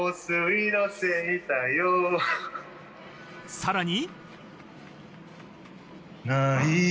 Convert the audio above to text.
さらに。